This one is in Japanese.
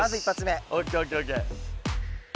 ＯＫＯＫＯＫ。